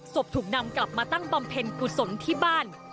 ถูกนำกลับมาตั้งบำเพ็ญกุศลที่บ้าน